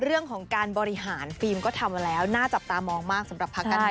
เรื่องของการบริหารฟิล์มก็ทำมาแล้วน่าจับตามองมากสำหรับภาคการเมือง